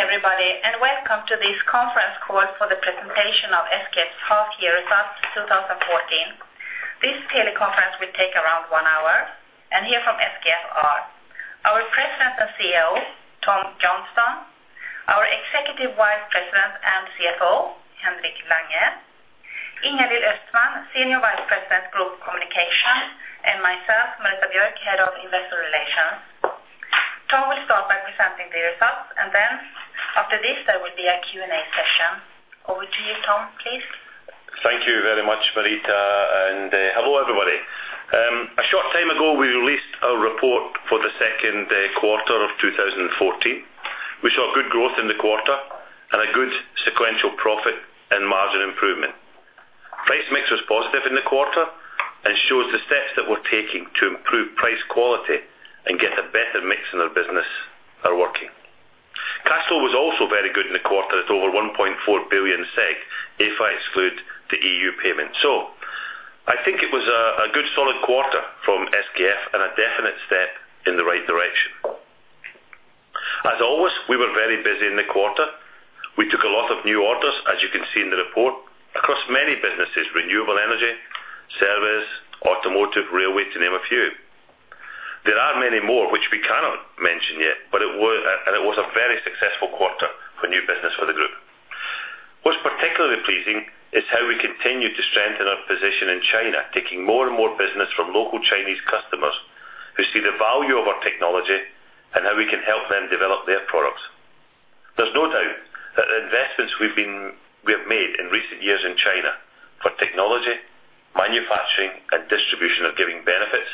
Good evening, everybody, and welcome to this conference call for the presentation of SKF's half-year results, 2014. This teleconference will take around one hour, and here from SKF are: our President and CEO, Tom Johnstone, our Executive Vice President and CFO, Henrik Lange, Ingalill Östman, Senior Vice President, Group Communications, and myself, Marita Björk, Head of Investor Relations. Tom will start by presenting the results, and then after this, there will be a Q&A session. Over to you, Tom, please. Thank you very much, Marita, and hello, everybody. A short time ago, we released a report for the second quarter of 2014. We saw good growth in the quarter and a good sequential profit and margin improvement. Price mix was positive in the quarter and shows the steps that we're taking to improve price quality and get a better mix in our business are working. Cash flow was also very good in the quarter at over 1.4 billion SEK, if I exclude the EU payment. So I think it was a good solid quarter from SKF and a definite step in the right direction. As always, we were very busy in the quarter. We took a lot of new orders, as you can see in the report, across many businesses: renewable energy, service, automotive, railway, to name a few. There are many more, which we cannot mention yet, but it was a very successful quarter for new business for the group. What's particularly pleasing is how we continue to strengthen our position in China, taking more and more business from local Chinese customers who see the value of our technology and how we can help them develop their products. There's no doubt that the investments we have made in recent years in China for technology, manufacturing, and distribution are giving benefits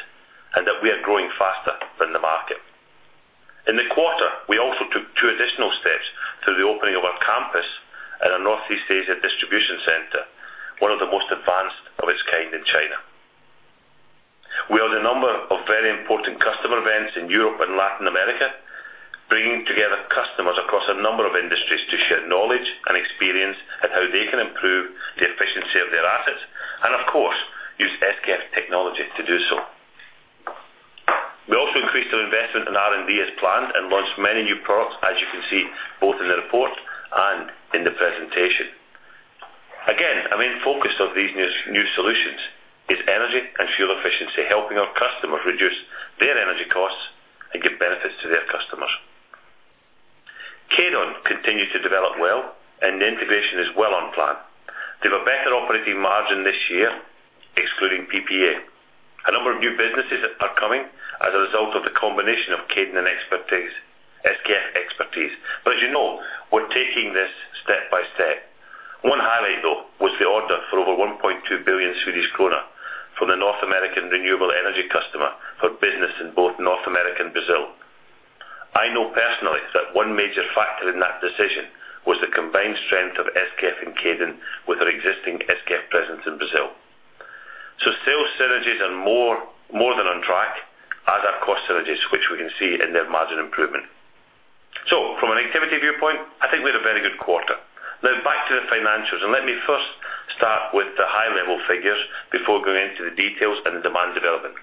and that we are growing faster than the market. In the quarter, we also took two additional steps through the opening of our campus at our Northeast Asia Distribution Center, one of the most advanced of its kind in China. We hold a number of very important customer events in Europe and Latin America, bringing together customers across a number of industries to share knowledge and experience at how they can improve the efficiency of their assets, and of course, use SKF technology to do so. We also increased our investment in R&D as planned and launched many new products, as you can see, both in the report and in the presentation. Again, a main focus of these new, new solutions is energy and fuel efficiency, helping our customers reduce their energy costs and give benefits to their customers. Kaydon continued to develop well, and the integration is well on plan. They have a better operating margin this year, excluding PPA. A number of new businesses are coming as a result of the combination of Kaydon expertise, SKF expertise. But as you know, we're taking this step by step. One highlight, though, was the order for over 1.2 billion Swedish krona from the North American renewable energy customer for business in both North America and Brazil. I know personally that one major factor in that decision was the combined strength of SKF and Kaydon with our existing SKF presence in Brazil. So sales synergies are more, more than on track, as are cost synergies, which we can see in their margin improvement. So from an activity viewpoint, I think we had a very good quarter. Now, back to the financials, and let me first start with the high-level figures before going into the details and the demand development.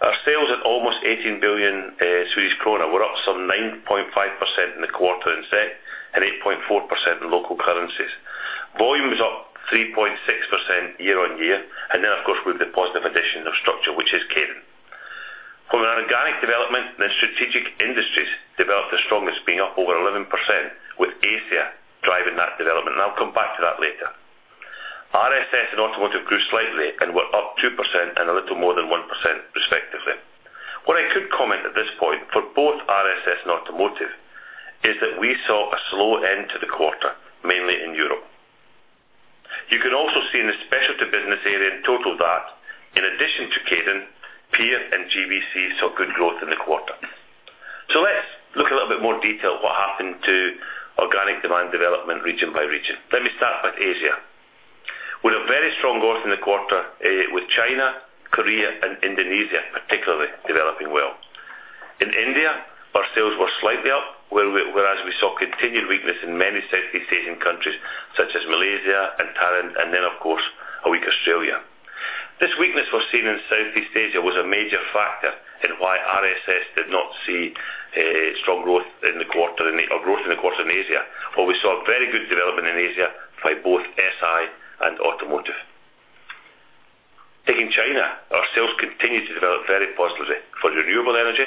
Our sales at almost 18 billion Swedish krona were up some 9.5% in the quarter in SEK and 8.4% in local currencies. Volume is up 3.6% year-on-year, and then, of course, with the positive addition of the acquisition, which is Kaydon. From an organic development, the Strategic Industries developed the strongest, being up over 11%, with Asia driving that development, and I'll come back to that later. RSS and Automotive grew slightly and were up 2% and a little more than 1%, respectively. What I could comment at this point for both RSS and Automotive is that we saw a slow end to the quarter, mainly in Europe. You can also see in the Specialty Business area in total that in addition to Kaydon, PEER and GBC saw good growth in the quarter. So let's look a little bit more detail what happened to organic demand development, region by region. Let me start with Asia. We had a very strong growth in the quarter with China, Korea, and Indonesia, particularly developing well. In India, our sales were slightly up, whereas we saw continued weakness in many Southeast Asian countries, such as Malaysia and Thailand, and then, of course, a weak Australia. This weakness we're seeing in Southeast Asia was a major factor in why RSS did not see a strong growth in the quarter or growth in the quarter in Asia, but we saw a very good development in Asia by both SI and Automotive. Taking China, our sales continued to develop very positively for renewable energy,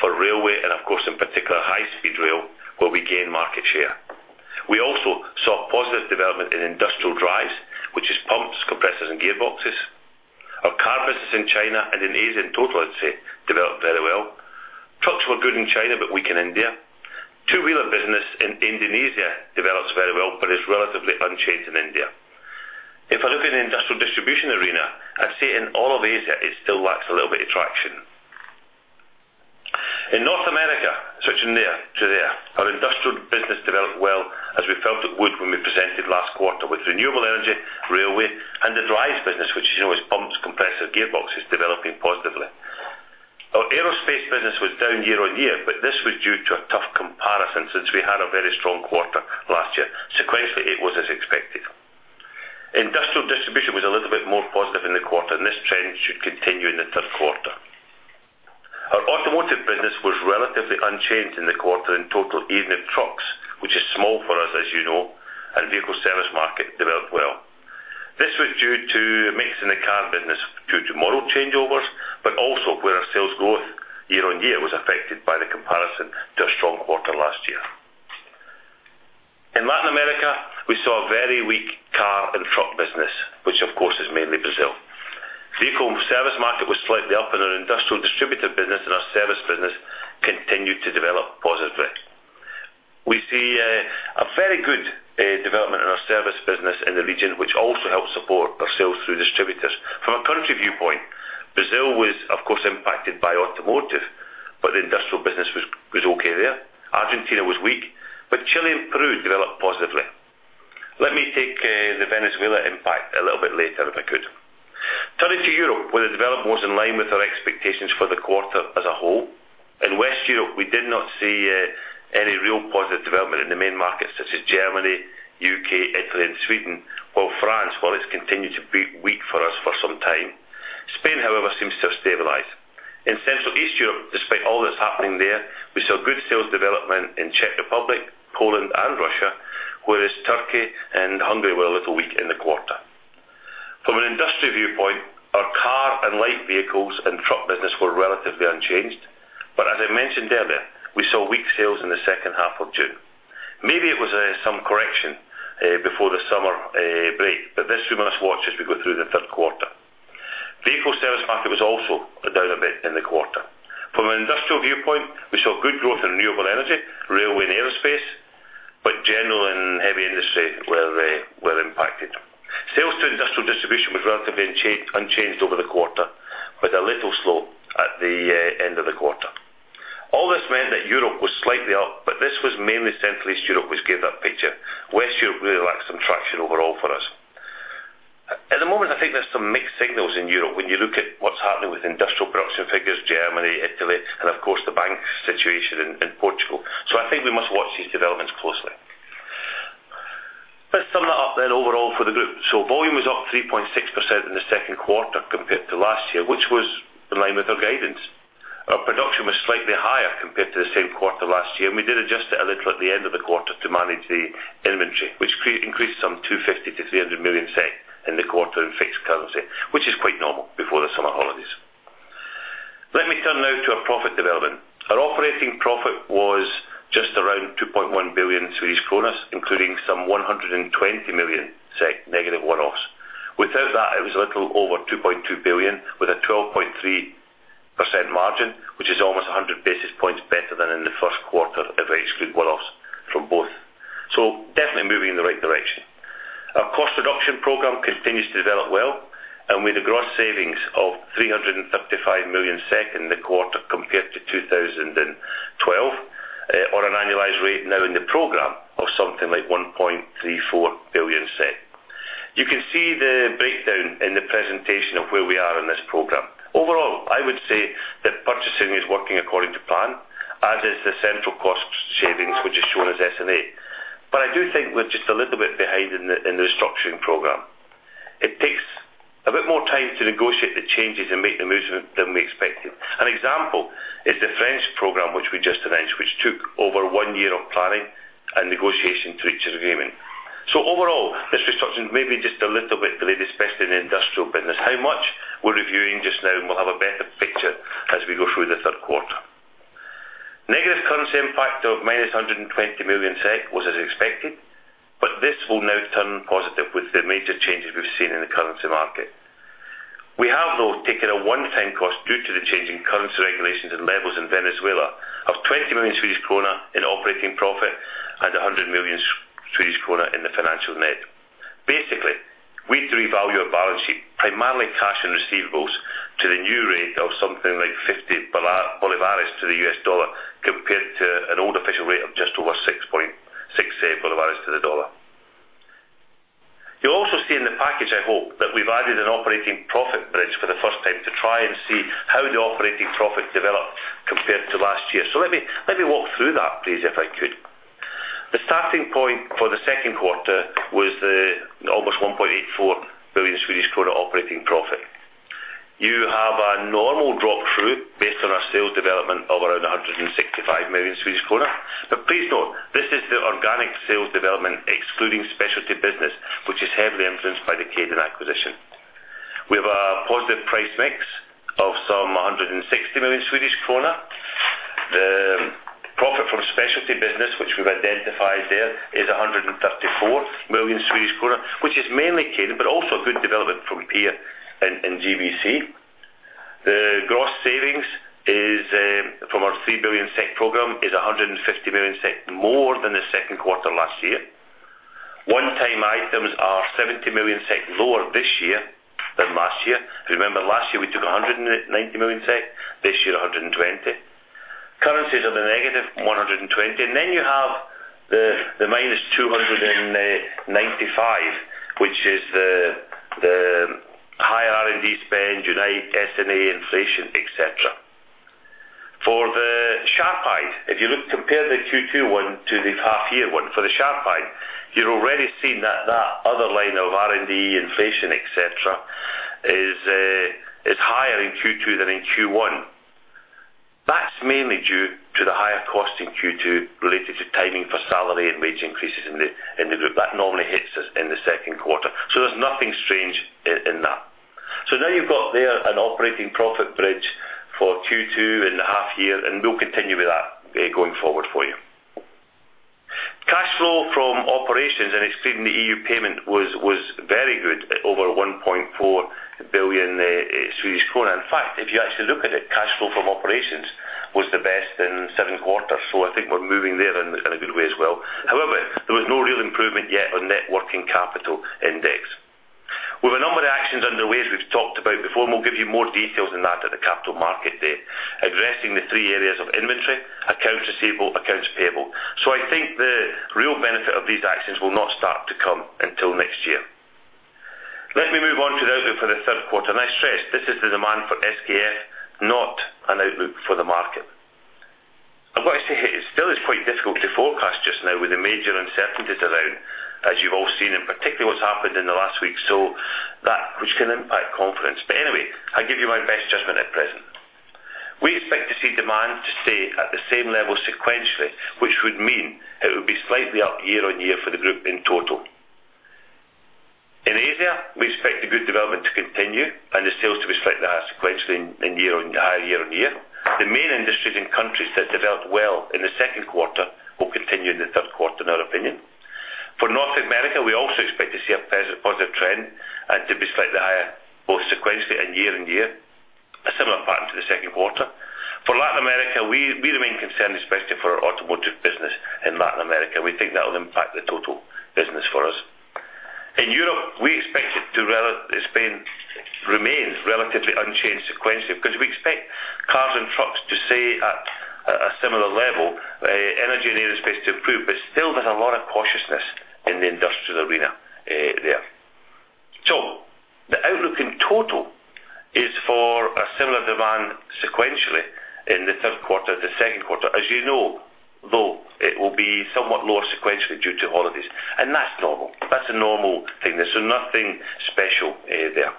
for railway, and of course, in particular, high-speed rail, where we gain market share. We also saw a positive development in Industrial Drives, which is pumps, compressors, and gearboxes. Our car business in China and in Asia in total, I'd say, developed very well. Trucks were good in China, but weak in India. Two-wheeler business in Indonesia develops very well, but is relatively unchanged in India. If I look at the industrial distribution arena, I'd say in all of Asia, it still lacks a little bit of traction. In North America, switching there to there, our industrial business developed well as we felt it would when we presented last quarter with renewable energy, railway, and the drives business, which is always pumps, compressor, gearboxes, developing positively. Our aerospace business was down year-on-year, but this was due to a tough comparison since we had a very strong quarter last year. Sequentially, it was as expected. Industrial distribution was a little bit more positive in the quarter, and this trend should continue in the third quarter. Our automotive business was relatively unchanged in the quarter in total, even if trucks, which is small for us, as you know, and Vehicle Service Market developed well. This was due to a mix in the car business, due to model changeovers, but also where our sales growth year-on-year was affected by the comparison to a strong quarter last year. In Latin America, we saw a very weak car and truck business, which, of course, is mainly Brazil. Vehicle Service Market was slightly up in our Industrial distributor business, and our service business continued to develop positively. We see a very good development in our service business in the region, which also helps support our sales through distributors. From a country viewpoint, Brazil was, of course, impacted by Automotive, but the Industrial business was okay there. Argentina was weak, but Chile and Peru developed positively. Let me take the Venezuela impact a little bit later, if I could. Turning to Europe, where the development was in line with our expectations for the quarter as a whole. In West Europe, we did not see any real positive development in the main markets, such as Germany, U.K., Italy, and Sweden. While France, well, it's continued to be weak for us for some time. Spain, however, seems to have stabilized. In Central East Europe, despite all that's happening there, we saw good sales development in Czech Republic, Poland, and Russia, whereas Turkey and Hungary were a little weak in the quarter. From an industry viewpoint, our car and light vehicles and truck business were relatively unchanged, but as I mentioned earlier, we saw weak sales in the second half of June. Maybe it was some correction before the summer break, but this we must watch as we go through the third quarter. Vehicle Service Market was also down a bit in the quarter. From an industrial viewpoint, we saw good growth in renewable energy, railway, and aerospace, but general and heavy industry were impacted. Sales to industrial distribution was relatively unchanged over the quarter, with a little slow at the end of the quarter. All this meant that Europe was slightly up, but this was mainly Central East Europe, which gave that picture. West Europe really lacked some traction overall for us. At the moment, I think there's some mixed signals in Europe when you look at what's happening with industrial production figures, Germany, Italy, and of course, the bank situation in Portugal. So I think we must watch these developments closely. Let's sum that up then overall for the group. So volume was up 3.6% in the second quarter compared to last year, which was in line with our guidance. Our production was slightly higher compared to the same quarter last year, and we did adjust it a little at the end of the quarter to manage the inventory, which increased some 250 million to 300 million in the quarter in fixed currency, which is quite normal before the summer holidays. Let me turn now to our profit development. Our operating profit was just around 2.1 billion Swedish kronor, including some 120 million negative one-offs. Without that, it was a little over 2.2 billion, with a 12.3% margin, which is almost 100 basis points better than in the first quarter of excluding group one-offs from both. So definitely moving in the right direction. Our cost reduction program continues to develop well, and with a gross savings of 335 million in the quarter compared to 2012, on an annualized rate now in the program of something like 1.34 billion. You can see the breakdown in the presentation of where we are in this program. Overall, I would say that purchasing is working according to plan, as is the central cost savings, which is shown as S&A. But I do think we're just a little bit behind in the, in the restructuring program. It takes a bit more time to negotiate the changes and make the movement than we expected. An example is the French program, which we just announced, which took over one year of planning and negotiation to reach an agreement. So overall, this restructuring may be just a little bit delayed, especially in the industrial business. How much? We're reviewing just now, and we'll have a better picture as we go through the third quarter. Negative currency impact of -120 million SEK was as expected, but this will now turn positive with the major changes we've seen in the currency market. We have, though, taken a one-time cost due to the change in currency regulations and levels in Venezuela of 20 million Swedish krona in operating profit and 100 million Swedish krona in the financial net. Basically, we had to revalue our balance sheet, primarily cash and receivables, to the new rate of something like 50 bolívares to the US dollar, compared to an old official rate of just over 6.6 bolívares to the dollar. You'll also see in the package, I hope, that we've added an operating profit bridge for the first time to try and see how the operating profit developed compared to last year. So let me, let me walk through that, please, if I could. The starting point for the second quarter was almost 1.84 billion Swedish krona operating profit. You have a normal drop through based on our sales development of around 165 million Swedish kronor. But please note, this is the organic sales development, excluding Speciality Business, which is heavily influenced by the Kaydon acquisition. We have a positive price mix of some 160 million Swedish krona. The profit from Specialty Business, which we've identified there, is 134 million Swedish kronor, which is mainly Kaydon, but also a good development from PEER and GBC. The gross savings is from our 3 billion SEK program, is 150 million SEK more than the second quarter last year. One-time items are 70 million SEK lower this year than last year. Remember, last year, we took 190 million SEK, this year, 120 million. Currencies are the negative 120 million. And then you have the minus 295, which is the higher R&D spend, Unite, S&A, inflation, etc. SKF, if you look, compare the Q2 one to the half year one for the SKF, you're already seeing that that other line of R&D, inflation, et cetera, is, is higher in Q2 than in Q1. That's mainly due to the higher cost in Q2 related to timing for salary and wage increases in the, in the group. That normally hits us in the second quarter, so there's nothing strange in, in that. So now you've got there an operating profit bridge for Q2 and the half year, and we'll continue with that, going forward for you. Cash flow from operations and excluding the EU payment was, was very good, at over 1.4 billion Swedish krona. In fact, if you actually look at it, cash flow from operations was the best in seven quarters, so I think we're moving there in a good way as well. However, there was no real improvement yet on net working capital index. We have a number of actions underway, as we've talked about before, and we'll give you more details on that at the capital market date. Addressing the three areas of inventory, accounts receivable, accounts payable. So I think the real benefit of these actions will not start to come until next year. Let me move on to the outlook for the third quarter, and I stress this is the demand for SKF, not an outlook for the market. I've got to say, it still is quite difficult to forecast just now with the major uncertainties around, as you've all seen, and particularly what's happened in the last week, so that which can impact confidence. But anyway, I'll give you my best judgment at present. We expect to see demand to stay at the same level sequentially, which would mean it would be slightly up year-over-year for the group in total. In Asia, we expect the good development to continue and the sales to be slightly sequentially and year on, higher year-over-year. The main industries and countries that developed well in the second quarter will continue in the third quarter, in our opinion. For North America, we also expect to see a positive trend and to be slightly higher, both sequentially and year-over-year, a similar pattern to the second quarter. For Latin America, we remain concerned, especially for our automotive business in Latin America. We think that will impact the total business for us. In Europe, we expect it to remain. Spain remains relatively unchanged sequentially, because we expect cars and trucks to stay at a similar level, energy and aerospace to improve, but still there's a lot of cautiousness in the industrial arena, there. So the outlook in total is for a similar demand sequentially in the third quarter, the second quarter. As you know, though, it will be somewhat lower sequentially due to holidays, and that's normal. That's a normal thing. There's nothing special, there.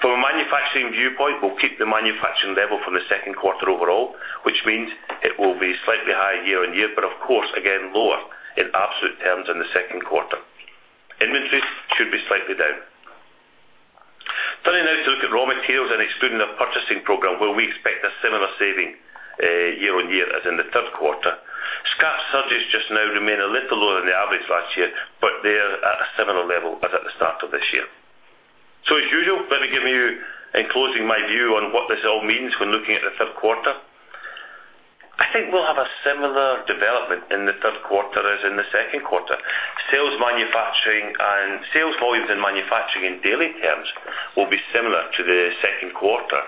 From a manufacturing viewpoint, we'll keep the manufacturing level from the second quarter overall, which means it will be slightly higher year-on-year, but of course, again, lower in absolute terms in the second quarter. Inventories should be slightly down. Turning now to look at raw materials and excluding the purchasing program, where we expect a similar saving, year-on-year, as in the third quarter. Scrap surcharges just now remain a little lower than the average last year, but they are at a similar level as at the start of this year. So as usual, let me give you, in closing, my view on what this all means when looking at the third quarter. I think we'll have a similar development in the third quarter as in the second quarter. Sales, manufacturing, and sales volumes in manufacturing in daily terms will be similar to the second quarter,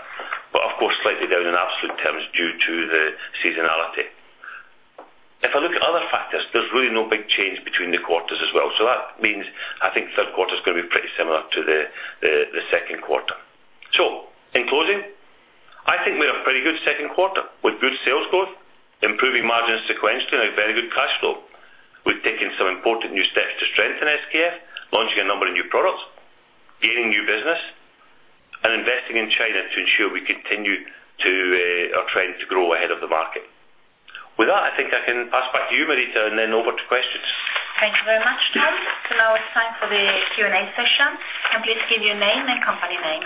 but of course, slightly down in absolute terms due to the seasonality. If I look at other factors, there's really no big change between the quarters as well. So that means I think third quarter is going to be pretty similar to the, the, the second quarter. So in closing, I think we had a pretty good second quarter with good sales growth, improving margins sequentially, and a very good cash flow. We've taken some important new steps to strengthen SKF, launching a number of new products, gaining new business, and investing in China to ensure we continue to, are trying to grow ahead of the market. With that, I think I can pass back to you, Marita, and then over to questions. Thank you very much, Tom. Now it's time for the Q&A session. Can you please give your name and company name?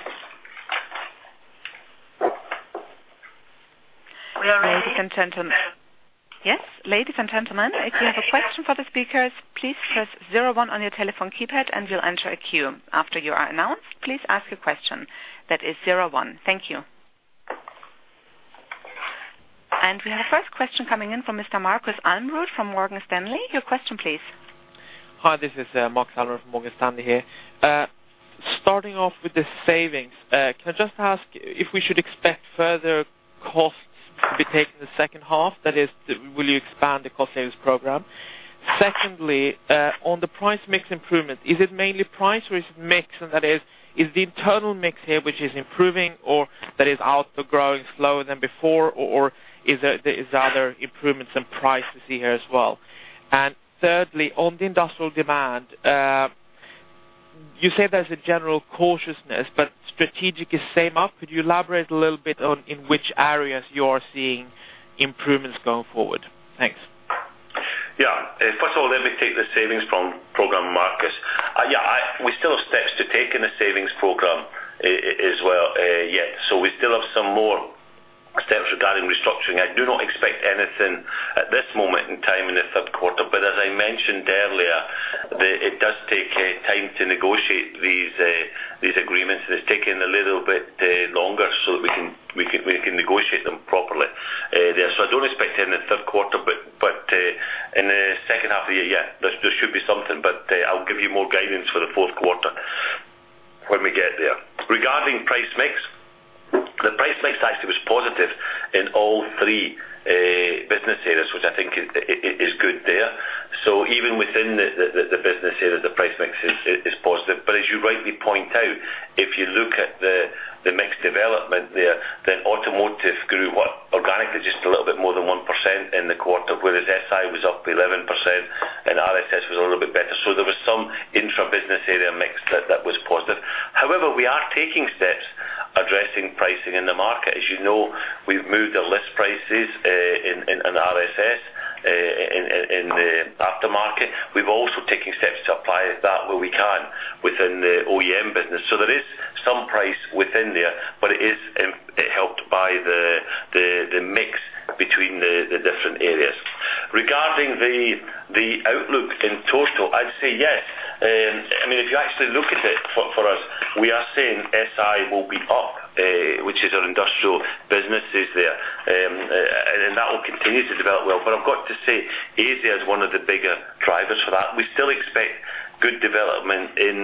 Ladies and gentlemen... Yes, ladies and gentlemen, if you have a question for the speakers, please press zero one on your telephone keypad, and you'll enter a queue. After you are announced, please ask your question. That is zero one. Thank you. And we have a first question coming in from Mr. Marcus Almerud from Morgan Stanley. Your question, please. Hi, this is Marcus Almerud from Morgan Stanley here. Starting off with the savings, can I just ask if we should expect further costs to be taken in the second half? That is, will you expand the cost savings program? Secondly, on the price mix improvement, is it mainly price or is it mix, and that is, is the internal mix here, which is improving, or that is also growing slower than before, or is there other improvements in price we see here as well? And thirdly, on the industrial demand, you say there's a general cautiousness, but strategic is same up. Could you elaborate a little bit on in which areas you are seeing improvements going forward? Thanks. Yeah. First of all, let me take the savings program, Marcus. Yeah, I... We still have steps to take in the savings program as well, yes. So we still have some more steps regarding restructuring. I do not expect anything at this moment in time in the third quarter, but as I mentioned earlier, it does take time to negotiate these agreements. It's taking a little bit longer, so we can negotiate them properly there. So I don't expect in the third quarter, but in the second half of the year, there should be something, but I'll give you more guidance for the fourth quarter when we get there. Regarding price mix, the price mix actually was positive in all three business areas, which I think is good there. So even within the business area, the price mix is positive. But as you rightly point out, if you look at the mix development there, then automotive grew, what? Organically, just a little bit more than 1% in the quarter, whereas SI was up 11%, and RSS was a little bit better. So there was some intra business area mix there that was positive. However, we are taking steps addressing pricing in the market. As you know, we've moved the list prices in RSS, in the aftermarket. We've also taken steps to apply that where we can within the OEM business. So there is some price within there, but it is helped by the mix between the different areas. Regarding the outlook in total, I'd say yes. I mean, if you actually look at it for, for us, we are saying SI will be up, which is our industrial businesses there. And, and that will continue to develop well. But I've got to say, Asia is one of the bigger drivers for that. We still expect good development in,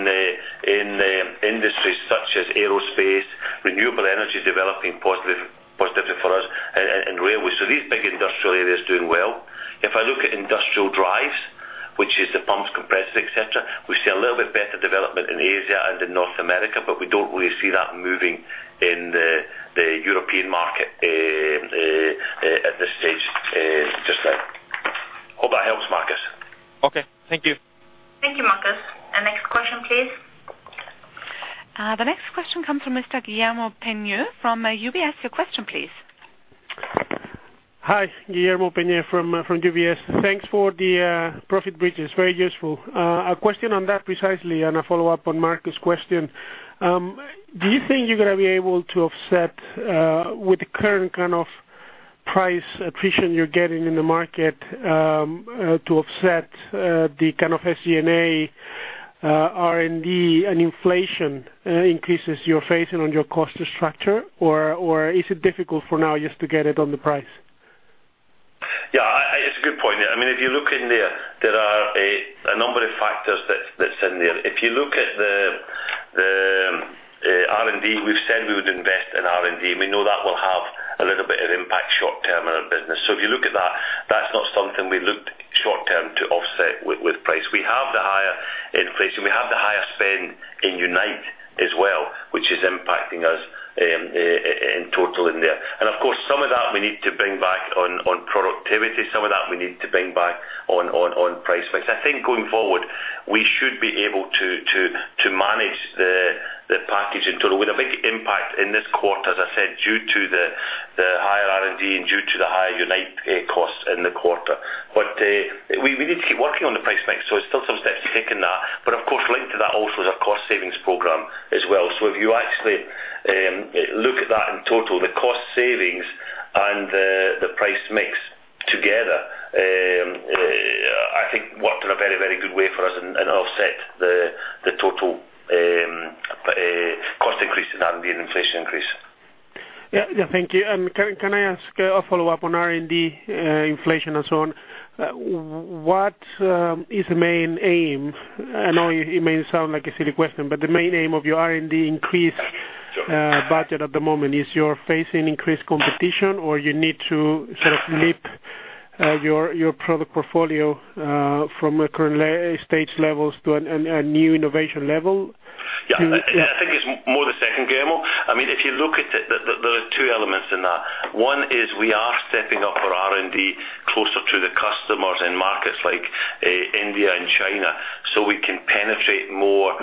in the industries such as aerospace, renewable energy, developing positive, positively for us, and, and railways. So these big industrial areas doing well. If I look at Industrial Drives, which is the pumps, compressors, et cetera, we see a little bit better development in Asia and in North America, but we don't really see that moving in the, the European market, at this stage, just now. Hope that helps, Marcus. Okay, thank you. Thank you, Marcus. Next question, please. The next question comes from Mr. Guillermo Peigneux from UBS. Your question, please. Hi, Guillermo Peigneux from UBS. Thanks for the profit bridge. It's very useful. A question on that precisely, and a follow-up on Marcus' question. Do you think you're gonna be able to offset with the current kind of price attrition you're getting in the market to offset the kind of SG&A, R&D, and inflation increases you're facing on your cost structure? Or is it difficult for now just to get it on the price? Yeah, I... It's a good point. I mean, if you look in there, there are a number of factors that's in there. If you look at the R&D, we've said we would invest in R&D. We know that will have a little bit of impact short term on our business. So if you look at that, that's not something we looked short term to offset with price. We have the higher inflation, we have the higher spend in Unite as well, which is impacting us in total in there. And of course, some of that we need to bring back on productivity. Some of that we need to bring back on price mix. I think going forward, we should be able to manage the package in total. With a big impact in this quarter, as I said, due to the higher R&D and due to the higher Unite costs in the quarter. But we need to keep working on the price mix, so there's still some steps to take in that. But of course, linked to that also is our cost savings program as well. So if you actually look at that in total, the cost savings and the price mix together, I think worked in a very, very good way for us and offset the total cost increase in R&D and inflation increase. Yeah, yeah. Thank you. Can I ask a follow-up on R&D, inflation, and so on? What is the main aim? I know it may sound like a silly question, but the main aim of your R&D increase budget at the moment is you're facing increased competition, or you need to sort of leap your product portfolio from current stage levels to a new innovation level? Yeah, I think it's more the second, Guillermo. I mean, if you look at it, there are two elements in that. One is we are stepping up our R&D closer to the customers in markets like India and China, so we can penetrate more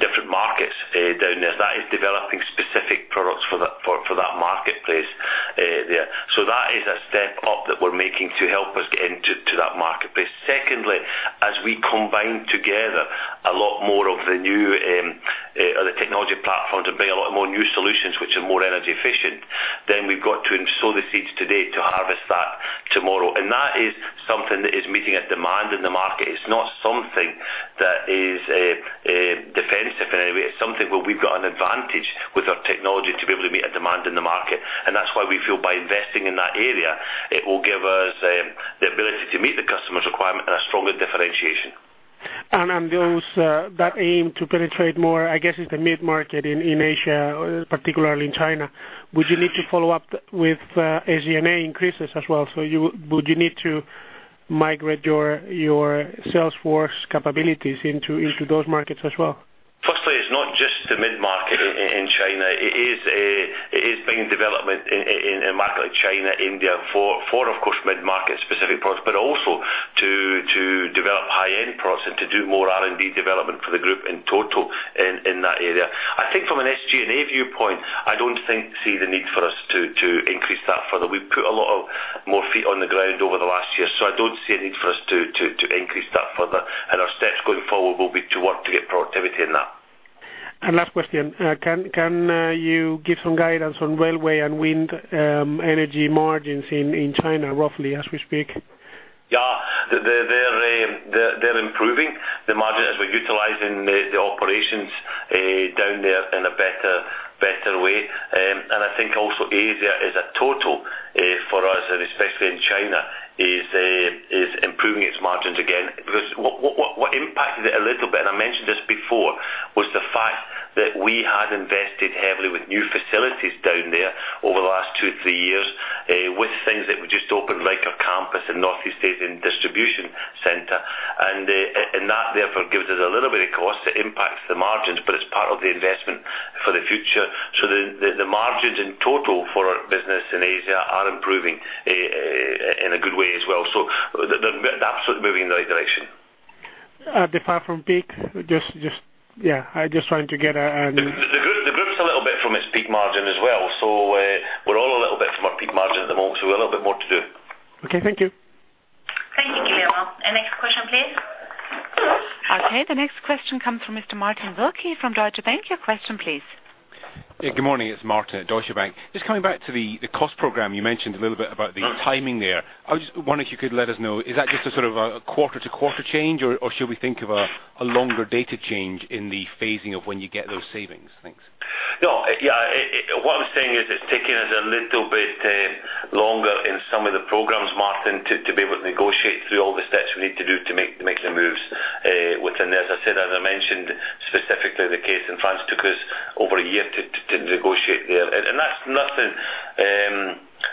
different markets down there. That is developing specific products for that marketplace there. So that is a step up that we're making to help us get into that marketplace. Secondly, as we combine together a lot more of the new the technology platforms and bring a lot more new solutions, which are more energy efficient, then we've got to sow the seeds today to harvest that tomorrow. And that is something that is meeting a demand in the market. It's not something that is defensive in any way. It's something where we've got an advantage with our technology to be able to meet a demand in the market. And that's why we feel by investing in that area, it will give us, the ability to meet the customer's requirement and a stronger differentiation. Those that aim to penetrate more, I guess, is the mid-market in Asia, particularly in China. Would you need to follow up with SG&A increases as well? So you would need to migrate your sales force capabilities into those markets as well? Firstly, it's not just the mid-market in China. It is the development in a market like China, India, for, of course, mid-market specific products, but also to develop high-end products and to do more R&D development for the group in total in that area. I think from an SG&A viewpoint, I don't see the need for us to increase that further. We've put a lot more feet on the ground over the last year, so I don't see a need for us to increase that further. And our steps going forward will be to work to get productivity in that. Last question. Can you give some guidance on railway and wind energy margins in China, roughly as we speak? Yeah. They're improving the margin as we're utilizing the operations down there in a better way. And I think also Asia is a total for us, and especially in China, is improving its margins again. Because what impacted it a little bit, and I mentioned this before, was the fact that we had invested heavily with new facilities down there over the last two to three years. With things that we just opened, like our campus in Northeast Asia Distribution Center. And that therefore gives us a little bit of cost that impacts the margins, but it's part of the investment for the future. So the margins in total for our business in Asia are improving in a good way as well. So they're absolutely moving in the right direction. They far from peak? Just... Yeah, I just wanted to get a- The group's a little bit from its peak margin as well, so, we're all a little bit from our peak margin at the moment, so a little bit more to do. Okay, thank you. Thank you, Guillermo. Next question, please. Okay, the next question comes from Mr. Martin Wilkie from Deutsche Bank. Your question please. Good morning, it's Martin at Deutsche Bank. Just coming back to the, the cost program, you mentioned a little bit about the timing there. I just wonder if you could let us know, is that just a sort of a quarter-to-quarter change, or, or should we think of a, a longer-term change in the phasing of when you get those savings? Thanks. No. Yeah, what I was saying is, it's taking us a little bit longer in some of the programs, Martin, to be able to negotiate through all the steps we need to do to make the moves. Within there, as I said, as I mentioned, specifically, the case in France took us over a year to negotiate there. And that's nothing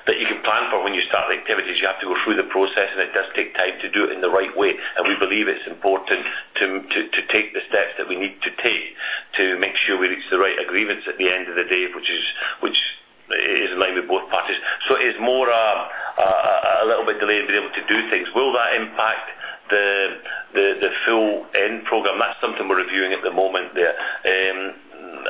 that you can plan for when you start the activities. You have to go through the process, and it does take time to do it in the right way. And we believe it's important to take the steps that we need to take to make sure we reach the right agreements at the end of the day, which is in line with both parties. So it's more, a little bit delayed in being able to do things. Will that impact the full end program? That's something we're reviewing at the moment there.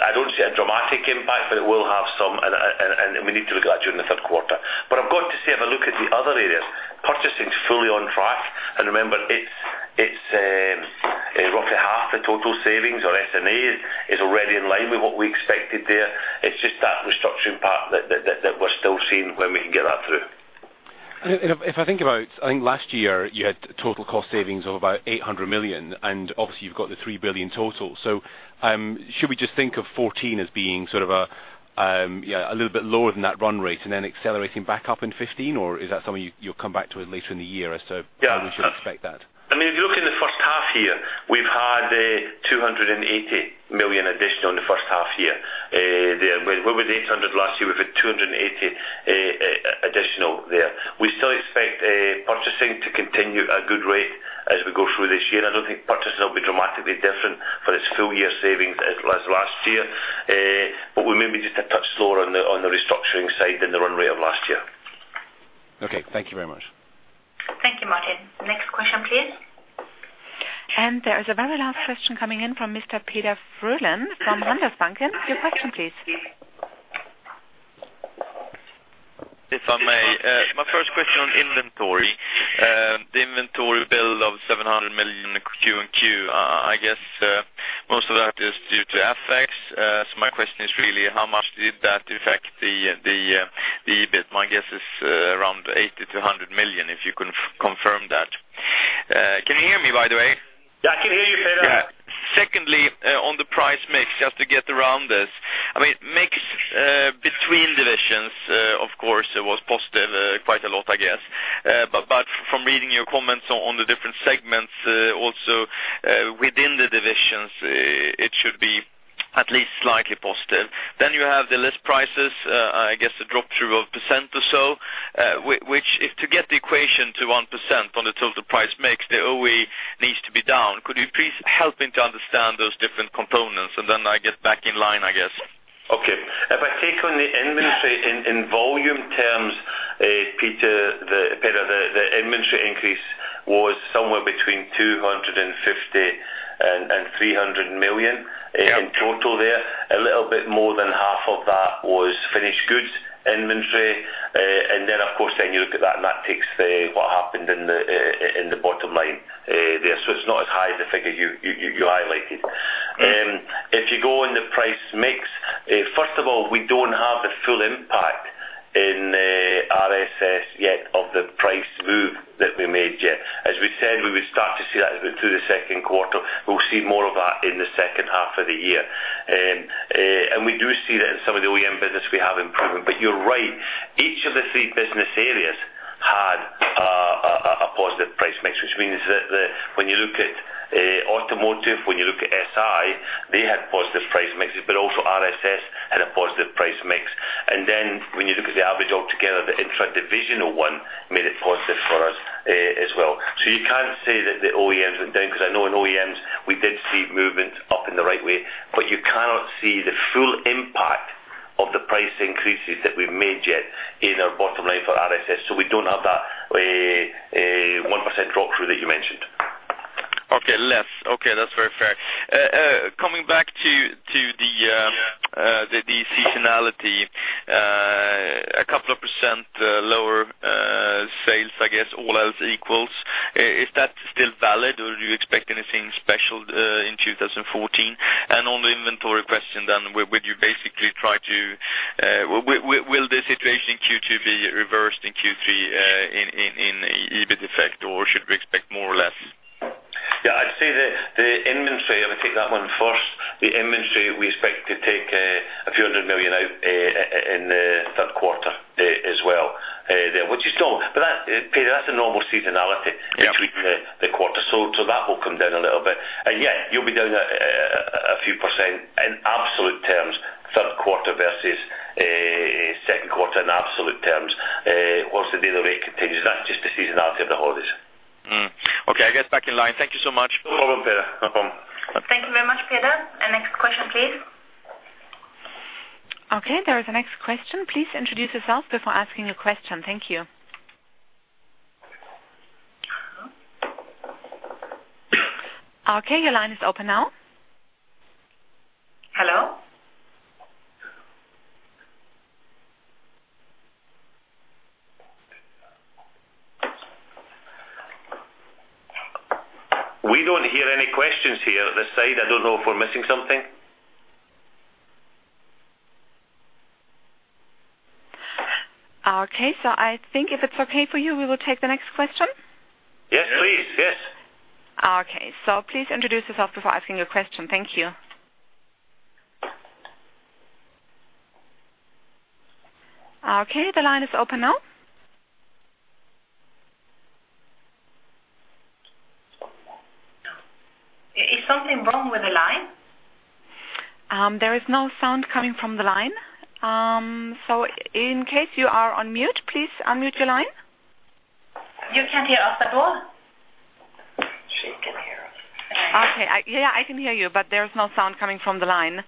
I don't see a dramatic impact, but it will have some, and we need to look at it during the third quarter. But I've got to say, if I look at the other areas, purchasing is fully on track. And remember, it's roughly half the total savings or S&A is already in line with what we expected there. It's just that restructuring part that we're still seeing when we can get that through. If I think about, I think last year you had total cost savings of about 800 million, and obviously you've got the 3 billion total. So, should we just think of 2014 as being sort of a, yeah, a little bit lower than that run rate and then accelerating back up in 2015? Or is that something you, you'll come back to it later in the year as to- Yeah. when we should expect that? I mean, if you look in the first half year, we've had 280 million additional in the first half year. There, where we were 800 million last year, we've had 280 million additional there. We still expect purchasing to continue at a good rate as we go through this year. I don't think purchasing will be dramatically different for its full year savings as last year. But we may be just a touch slower on the restructuring side than the run rate of last year. Okay. Thank you very much. Thank you, Martin. Next question, please. There is a very last question coming in from Mr. Peder Frölén from Handelsbanken. Your question, please. If I may, my first question on inventory. The inventory bill of 700 million Q and Q, I guess, most of that is due to FX. So my question is really, how much did that affect the EBIT? My guess is, around 80 million to 100 million, if you can confirm that. Can you hear me, by the way? Yeah, I can hear you clear. Yeah. Secondly, on the price mix, just to get around this. I mean, mix between divisions, of course, it was positive, quite a lot, I guess. But from reading your comments on the different segments, also within the divisions, it should be at least slightly positive. Then you have the list prices, I guess, the drop-through 1% or so, which if to get the equation to 1% on the total price mix, the OE needs to be down. Could you please help me to understand those different components? And then I get back in line, I guess. Okay. If I take on the inventory in volume terms, Peder, the inventory increase was somewhere between 250 million and 300 million. Yeah In total there. A little bit more than half of that was finished goods inventory. And then, of course, then you look at that, and that takes the, what happened in the, in the bottom line, there. So it's not as high as the figure you highlighted. Mm. If you go in the price mix, first of all, we don't have the full impact in the RSS yet of the price move that we made yet. As we said, we would start to see that through the second quarter. We'll see more of that in the second half of the year. And we do see that in some of the OEM business we have improvement. But you're right, each of the three business areas had a positive price mix, which means that the... When you look at automotive, when you look at SI, they had positive price mixes, but also RSS had a positive price mix. And then when you look at the average altogether, the intradivisional one made it positive for us, as well. So you can't say that the OEMs went down, because I know in OEMs, we did see movement up in the right way. But you cannot see the full impact of the price increases that we made yet in our bottom line for RSS. So we don't have that, 1% drop-through that you mentioned. Okay, less. Okay, that's very fair. Coming back to the seasonality, a couple of % lower sales, I guess, all else equals. Is that still valid, or do you expect anything special in 2014? And on the inventory question, then, would you basically try to... Will the situation in Q2 be reversed in Q3, in EBIT effect, or should we expect more or less? Yeah, I'd say the inventory. I'm going to take that one first. The inventory, we expect to take a few hundred million SEK out in the third quarter, as well, which is normal. But that, Peder, that's a normal seasonality- Yeah Between the quarters. So that will come down a little bit. And yeah, you'll be down a few percent in absolute terms, third quarter versus second quarter in absolute terms. Once the delivery continues, that's just the seasonality of the holidays. … Mm-hmm. Okay, I get back in line. Thank you so much. No problem, Peder. No problem. Thank you very much, Peder. Our next question, please. Okay, there is the next question. Please introduce yourself before asking a question. Thank you. Okay, your line is open now. Hello? We don't hear any questions here this side. I don't know if we're missing something. Okay, so I think if it's okay for you, we will take the next question. Yes, please. Yes. Okay. So please introduce yourself before asking your question. Thank you. Okay, the line is open now. Is something wrong with the line? There is no sound coming from the line. So in case you are on mute, please unmute your line. You can't hear us at all? She can hear us. Okay. Yeah, I can hear you, but there's no sound coming from the line.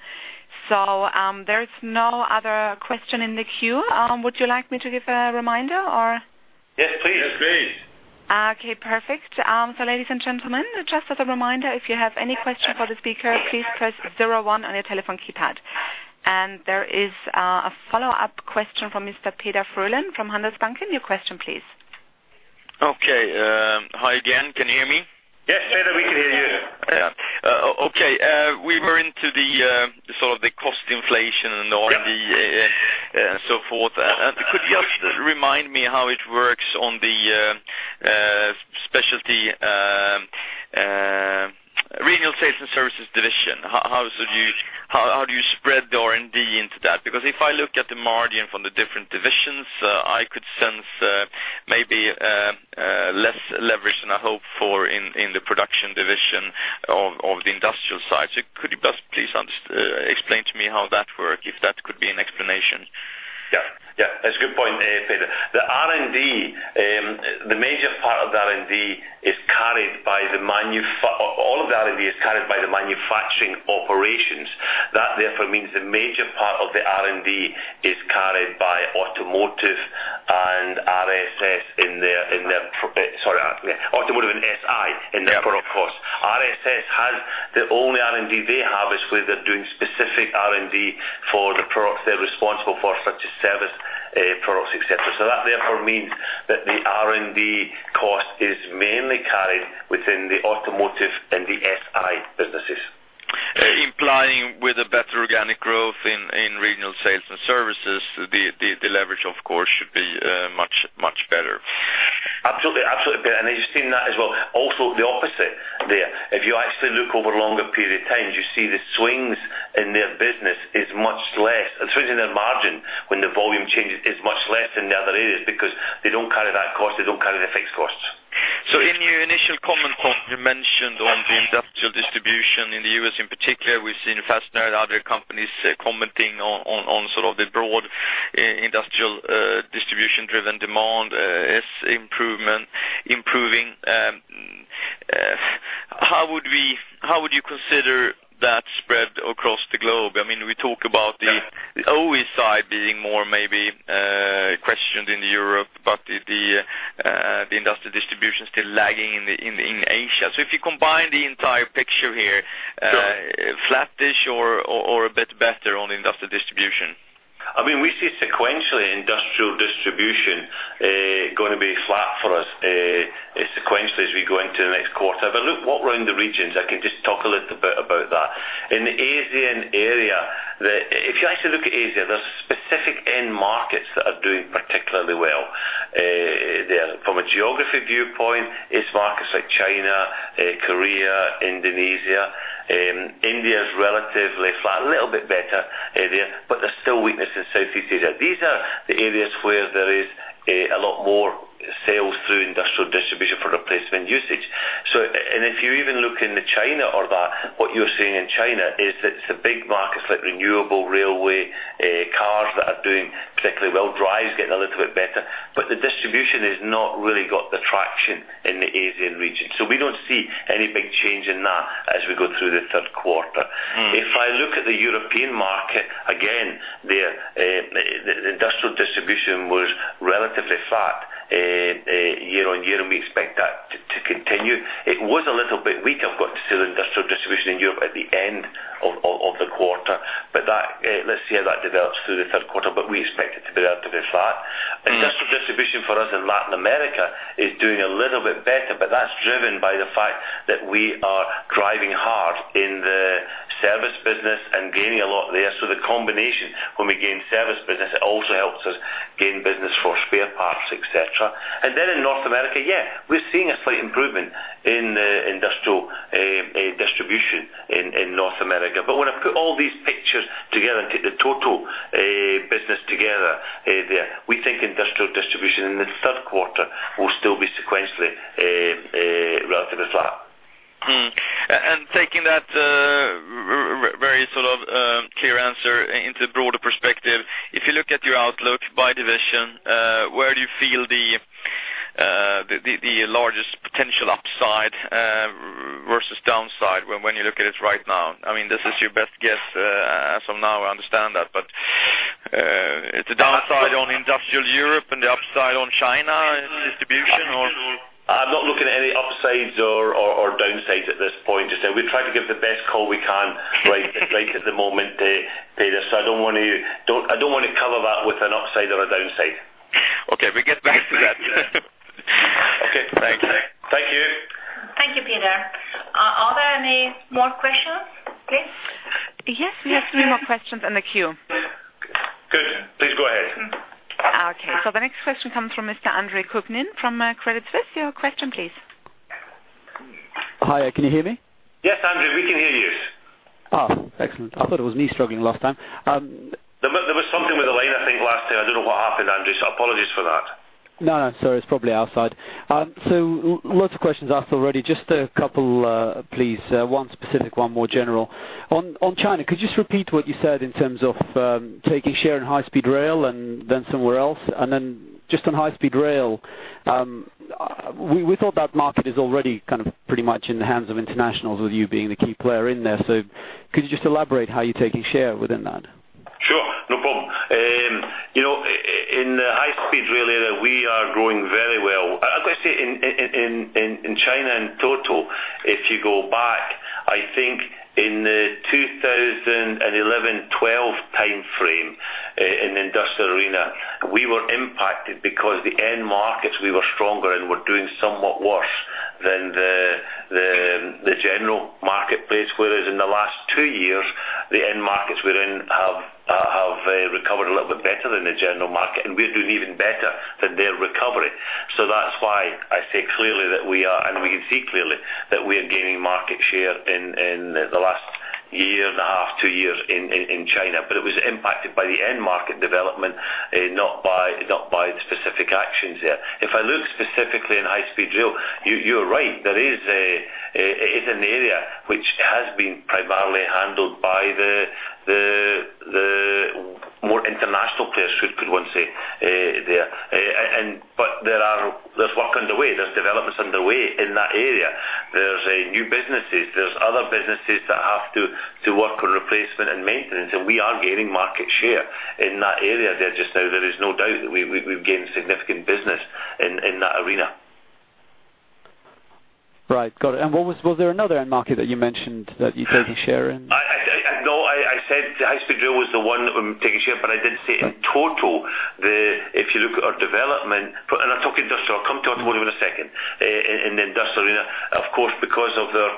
There's no other question in the queue. Would you like me to give a reminder or? Yes, please. Yes, please. Okay, perfect. So ladies and gentlemen, just as a reminder, if you have any question for the speaker, please press zero-one on your telephone keypad. There is a follow-up question from Mr. Peder Frölén, from Handelsbanken. Your question, please. Okay. Hi again. Can you hear me? Yes, Peder, we can hear you. Yeah. Okay, we were into the sort of the cost inflation and R&D, and so forth. Could you just remind me how it works on the Specialty Regional Sales and Service division? How do you spread the R&D into that? Because if I look at the margin from the different divisions, I could sense maybe less leverage than I hope for in the production division of the industrial side. So could you just please explain to me how that work, if that could be an explanation? Yeah, yeah, that's a good point, Peder. The R&D, the major part of the R&D is carried by the manufacturing operations. That therefore means the major part of the R&D is carried by automotive and SI in their product costs. RSS has... The only R&D they have is where they're doing specific R&D for the products they're responsible for, such as service products, et cetera. So that therefore means that the R&D cost is mainly carried within the automotive and the SI businesses. Implying with a better organic growth in Regional Sales and Service, the leverage, of course, should be much, much better. Absolutely. Absolutely, and I've seen that as well. Also, the opposite there. If you actually look over a longer period of time, you see the swings in their business is much less. The swings in their margin when the volume changes, is much less than the other areas because they don't carry that cost, they don't carry the fixed costs. So in your initial comment, Tom, you mentioned on the industrial distribution in the U.S. in particular, we've seen Fastenal and other companies commenting on sort of the broad industrial distribution-driven demand is improving. How would you consider that spread across the globe? I mean, we talk about the OE side being more maybe questioned in Europe, but the industrial distribution still lagging in Asia. So if you combine the entire picture here, Sure. flat, is it or a bit better on industrial distribution? I mean, we see sequentially, industrial distribution, going to be flat for us, sequentially as we go into the next quarter. But look, what we're in the regions, I can just talk a little bit about that. In the Asian area, if you actually look at Asia, there's specific end markets that are doing particularly well. They are from a geography viewpoint, it's markets like China, Korea, Indonesia, India is relatively flat, a little bit better area, but there's still weakness in Southeast Asia. These are the areas where there is, a lot more sales through industrial distribution for replacement usage. So, and if you even look in the China or that, what you're seeing in China is that it's the big markets like renewable, railway, cars that are doing particularly well, drives getting a little bit better, but the distribution has not really got the traction in the Asian region. So we don't see any big change in that as we go through the third quarter. Mm. If I look at the European market, again, there, the industrial distribution was relatively flat, year on year, and we expect that to continue. It was a little bit weaker, I've got to say, the industrial distribution in Europe at the end of the quarter, but that, let's see how that develops through the third quarter, but we expect it to be relatively flat. Mm. Industrial distribution for us in Latin America is doing a little bit better, but that's driven by the fact that we are driving hard in the service business and gaining a lot there. So the combination, when we gain service business, it also helps us gain business for spare parts, et cetera. And then in North America, yeah, we're seeing a slight improvement in industrial distribution in North America. But when I put all these pictures together and take the total business together, there, we think industrial distribution in the third quarter will still be sequentially... Taking that very sort of clear answer into broader perspective. If you look at your outlook by division, where do you feel the largest potential upside versus downside when you look at it right now? I mean, this is your best guess as of now, I understand that, but it's a downside on industrial Europe and the upside on China in distribution, or? I'm not looking at any upsides or downsides at this point. Just say we try to give the best call we can right, right at the moment, Peder. So I don't want to... Don't, I don't want to cover that with an upside or a downside. Okay, we get back to that. Okay, thanks. Thank you. Thank you, Peder. Are there any more questions, please? Yes, we have three more questions in the queue. Good. Please go ahead. Okay. So the next question comes from Mr. Andre Kukhnin from Credit Suisse. Your question, please. Hi, can you hear me? Yes, Andre, we can hear you. Ah, excellent. I thought it was me struggling last time. There was something with the line, I think, last time. I don't know what happened, Andre, so apologies for that. No, no, sir, it's probably our side. So lots of questions asked already. Just a couple, please. One specific, one more general. On China, could you just repeat what you said in terms of taking share in high-speed rail and then somewhere else? And then just on high-speed rail, we thought that market is already kind of pretty much in the hands of internationals, with you being the key player in there. So could you just elaborate how you're taking share within that? Sure, no problem. You know, in the high-speed rail area, we are growing very well. I've got to say, in China, in total, if you go back, I think in the 2011/12 timeframe, in the industrial arena, we were impacted because the end markets we were stronger in were doing somewhat worse than the general marketplace. Whereas in the last two years, the end markets we're in have recovered a little bit better than the general market, and we're doing even better than their recovery. So that's why I say clearly that we are, and we can see clearly, that we are gaining market share in the last year and a half, two years in China. But it was impacted by the end market development, not by specific actions there. If I look specifically in high-speed rail, you, you're right, there is a, it is an area which has been primarily handled by the more international players, could one say, there. But there are -- there's work underway. There's developments underway in that area. There's new businesses, there's other businesses that have to work on replacement and maintenance, and we are gaining market share in that area. There is no doubt that we've gained significant business in that arena. Right. Got it. And was there another end market that you mentioned that you taking share in? No, I said the high-speed rail was the one that we're taking share, but I did say in total, if you look at our development, and I talk industrial, I'll come to automotive in a second. In industrial arena, of course, because of their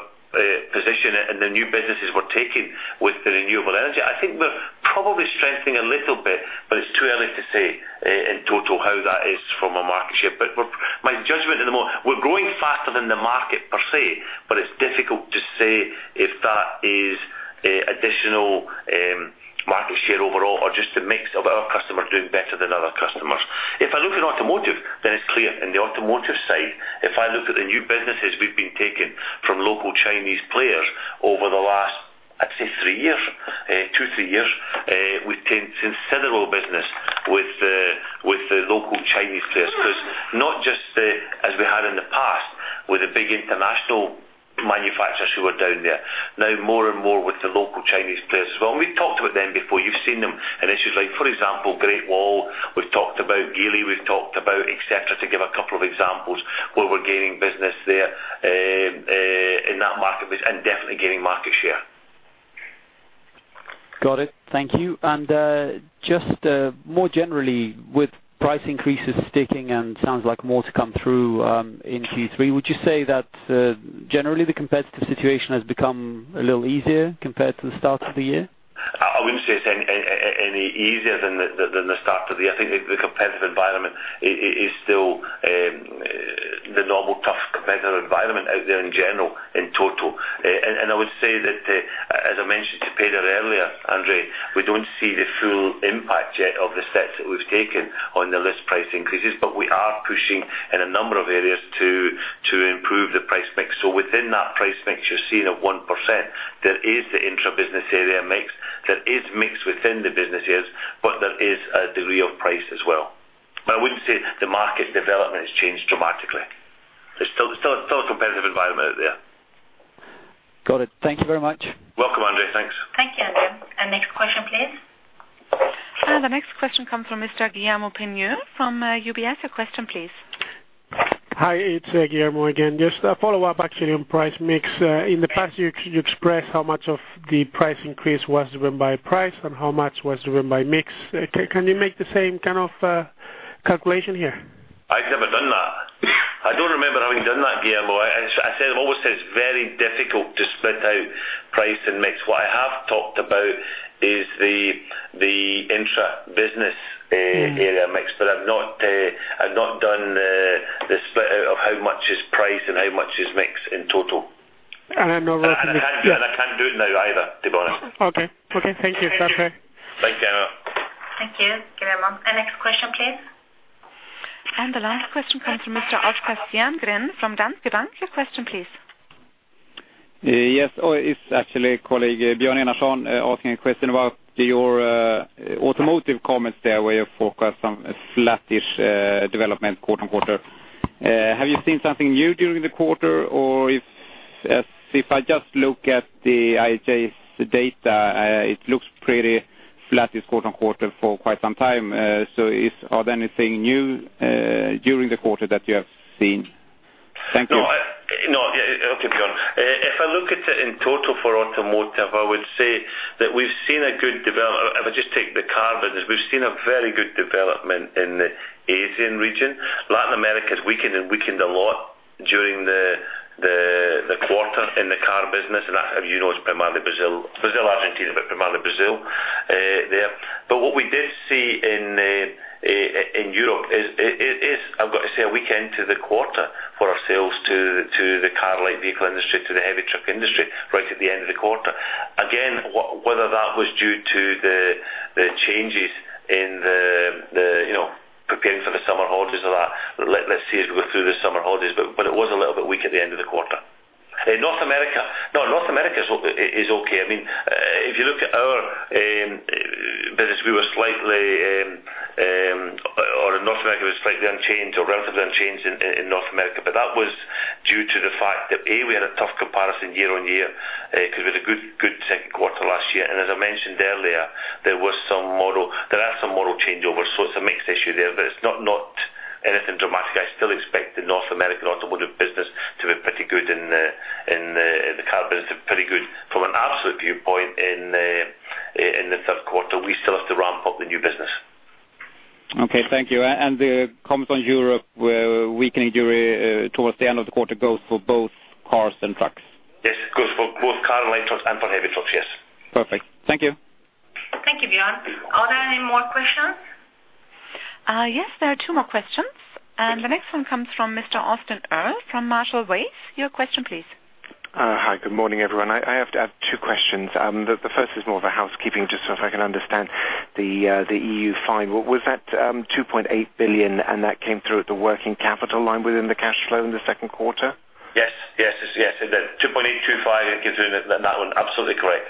position and the new businesses we're taking with the renewable energy, I think we're probably strengthening a little bit, but it's too early to say in total how that is from a market share. But my judgment at the moment, we're growing faster than the market per se, but it's difficult to say if that is additional market share overall, or just a mix of our customers doing better than other customers. If I look at automotive, then it's clear in the automotive side, if I look at the new businesses we've been taking from local Chinese players over the last, I'd say three years, two, three years, we've taken considerable business with the, with the local Chinese players. Because not just the, as we had in the past, with the big international manufacturers who are down there. Now, more and more with the local Chinese players as well. And we've talked about them before. You've seen them in issues like, for example, Great Wall, we've talked about Geely, we've talked about... et cetera, to give a couple of examples where we're gaining business there, in that market, which and definitely gaining market share. Got it. Thank you. Just, more generally, with price increases sticking and sounds like more to come through, in Q3, would you say that, generally the competitive situation has become a little easier compared to the start of the year? I wouldn't say it's any easier than the start of the year. I think the competitive environment is still the normal tough competitive environment out there in general, in total. I would say that, as I mentioned to Peter earlier, Andre, we don't see the full impact yet of the steps that we've taken on the list price increases, but we are pushing in a number of areas to improve the price mix. So within that price mix, you're seeing a 1%. There is the intra-business area mix. There is mix within the businesses, but there is a degree of price as well. But I wouldn't say the market development has changed dramatically. There's still a competitive environment out there. Got it. Thank you very much. Welcome, Andre. Thanks. Thank you, Andre. Next question, please. The next question comes from Mr. Guillermo Peigneux from UBS. Your question, please. Hi, it's Guillermo again. Just a follow-up actually on price mix. In the past, you expressed how much of the price increase was driven by price and how much was driven by mix. Can you make the same kind of calculation here? I've never done that. I don't remember having done that, Guillermo. I, I said, I've always said it's very difficult to split out price and mix. What I have talked about is the, the intra-business, Mm-hmm. -area mix, but I've not done the split out of how much is price and how much is mix in total. I know- And I can't, and I can't do it now either, to be honest. Okay. Okay, thank you. It's okay. Thank you. Thank you, Guillermo. And next question, please... And the last question comes from Mr. Björn Enarson from Danske Bank. Your question, please. Yes, oh, it's actually colleague, Björn Enarson, asking a question about your automotive comments there, where you forecast some flattish development quarter-on-quarter. Have you seen something new during the quarter, or if, if I just look at the IHS's data, it looks pretty flattish quarter-on-quarter for quite some time. So, are there anything new during the quarter that you have seen? Thank you. No, no, okay, Björn. If I look at it in total for automotive, I would say that we've seen a good development. If I just take the car business, we've seen a very good development in the Asian region. Latin America has weakened and weakened a lot during the quarter in the car business, and that, as you know, is primarily Brazil. Brazil, Argentina, but primarily Brazil. But what we did see in Europe is, it is, I've got to say, a weak end to the quarter for our sales to the car light vehicle industry, to the heavy truck industry, right at the end of the quarter. Again, whether that was due to the changes in the you know preparing for the summer holidays or that. Let's see as we go through the summer holidays, but it was a little bit weak at the end of the quarter. In North America, North America is okay. I mean, if you look at our business, we were slightly or North America was slightly unchanged or relatively unchanged in North America. But that was due to the fact that, A, we had a tough comparison year-over-year because we had a good second quarter last year. And as I mentioned earlier, there are some model changeovers, so it's a mixed issue there, but it's not anything dramatic. I still expect the North American automotive business to be pretty good in the car business, pretty good from an absolute viewpoint in the third quarter. We still have to ramp up the new business. Okay, thank you. The comments on Europe weakening during towards the end of the quarter goes for both cars and trucks? Yes, it goes for both car and light trucks and for heavy trucks. Yes. Perfect. Thank you. Thank you, Björn. Are there any more questions? Yes, there are two more questions. The next one comes from Mr. Austin Earl from Marshall Wace. Your question, please. Hi, good morning, everyone. I have to add two questions. The first is more of a housekeeping, just so if I can understand the EU fine. Was that 2.8 billion, and that came through at the working capital line within the cash flow in the second quarter? Yes. Yes, yes. The 2.8, 2.5, it gives you that 1. Absolutely correct.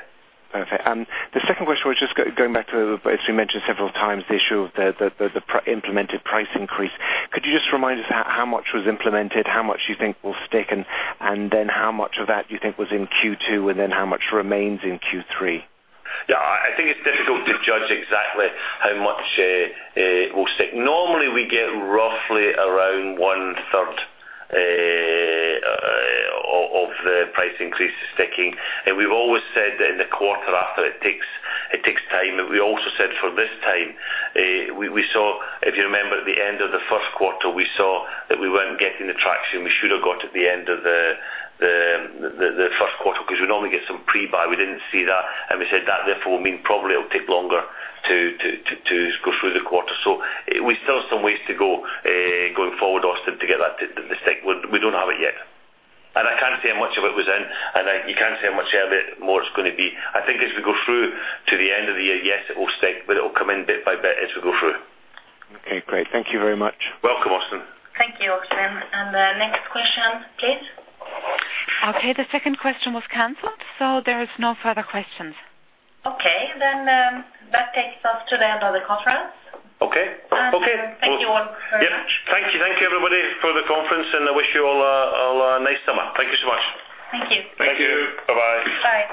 Perfect. And the second question was just going back to, as you mentioned several times, the issue of the implemented price increase. Could you just remind us how much was implemented, how much you think will stick, and then how much of that you think was in Q2, and then how much remains in Q3? Yeah, I think it's difficult to judge exactly how much will stick. Normally, we get roughly around one third of the price increase sticking. And we've always said that in the quarter after, it takes time. And we also said for this time, we saw, if you remember at the end of the first quarter, we saw that we weren't getting the traction we should have got at the end of the first quarter, because we normally get some pre-buy. We didn't see that. And we said that, therefore, mean probably it'll take longer to go through the quarter. So we still have some ways to go going forward, Austin, to get that to the stick. We don't have it yet. I can't say how much of it was in, and you can't say how much of it more it's going to be. I think as we go through to the end of the year, yes, it will stick, but it'll come in bit by bit as we go through. Okay, great. Thank you very much. Welcome, Austin. Thank you, Austin. And the next question, please. Okay, the second question was canceled, so there is no further questions. Okay, then, that takes us to the end of the conference. Okay. Okay. Thank you all very much. Yeah. Thank you. Thank you, everybody, for the conference, and I wish you all a, all a nice summer. Thank you so much. Thank you. Thank you. Bye-bye. Bye.